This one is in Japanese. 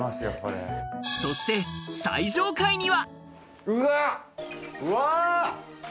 そして最上階には。